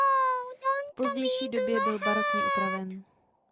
V pozdější době byl barokně upraven.